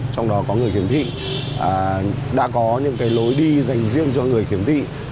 trong đó có người khiếm thị đã có những lối đi dành riêng cho người khiếm thị